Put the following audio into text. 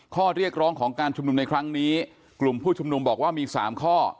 ข้อเรียกร้องของการชุมนุมในครั้งนี้กลุ่มผู้ชุมนุมบอกว่ามี๓ข้อ